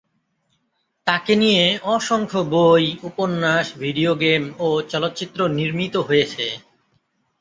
তাকে নিয়ে অসংখ্য বই, উপন্যাস, ভিডিও গেম ও চলচ্চিত্র নির্মীত হয়েছে।